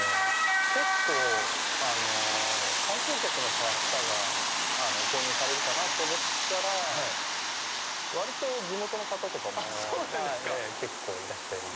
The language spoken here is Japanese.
結構観光客の方が購入されるかなと思ったら割と地元の方とかも結構いらっしゃいます。